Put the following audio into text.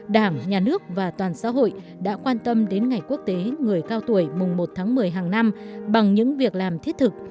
đảng nhà nước và toàn xã hội đã quan tâm đến ngày quốc tế người cao tuổi mùng một tháng một mươi hàng năm bằng những việc làm thiết thực